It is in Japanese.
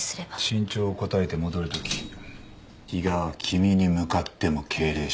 身長を答えて戻るとき比嘉は君に向かっても敬礼した。